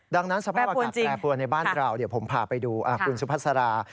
ดังนั้นสภาพอากาศแปรปรวนในบ้านเราเดี๋ยวผมพาไปดูคุณสุภาษารา